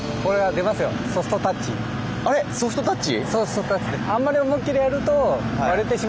あれソフトタッチ？